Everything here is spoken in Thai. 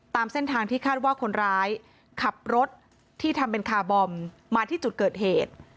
ตามเส้นทางที่คาดว่าคนร้ายขับรถที่ทำเป็นคาร์บอมมาที่จุดเกิดเหตุ